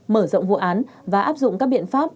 mở rộng vụ án và áp dụng các biện pháp